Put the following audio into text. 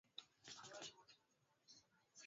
mwezi wa saba mwaka elfu moja mia nane tisini na saba